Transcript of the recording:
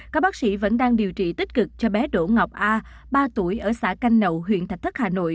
các bác sĩ vẫn đang điều trị tích cực cho bé đỗ ngọc a ba tuổi ở xã canh nậu huyện thạch thất hà nội